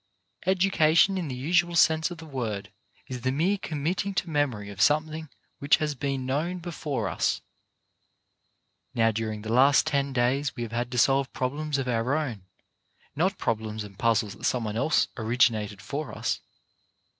Education in the usual sense of the word is the mere committing to memory of something which has been known before us. Now during the last ten days we have had to solve problems of our own, not problems and puzzles that some one else originated for us.